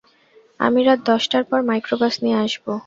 আমি রাত দশটার পর মাইক্রোবাস নিয়ে আসব।